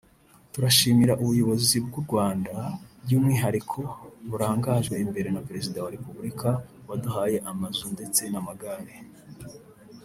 turashimira Ubuyobozi bw’u Rwanda by’umwihariko burangajwe imbere na Perezida wa Republika waduhaye amazu ndetse n’amagare”